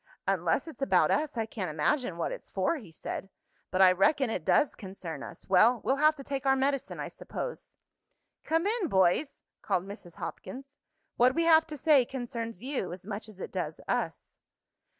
"Unless it's about us I can't imagine what it's for," he said. "But I reckon it does concern us. Well, we'll have to take our medicine, I suppose." "Come in, boys," called Mrs. Hopkins. "What we have to say concerns you as much as it does us."